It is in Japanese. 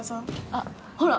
あっほら